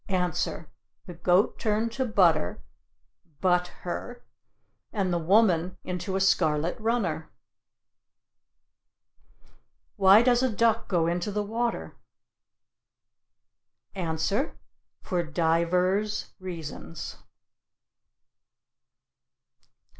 Answer: The goat turned to butter (butt her), and the woman into a scarlet runner. Why does a duck go into the water? Answer: For divers reasons.